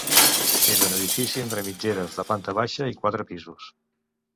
És un edifici entre mitgeres de planta baixa i quatre pisos.